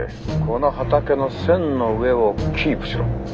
この畑の線の上をキープしろ。